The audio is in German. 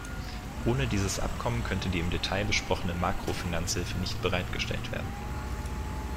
Ohne dieses Abkommen könnte die im Detail besprochene Makrofinanzhilfe nicht bereitgestellt werden.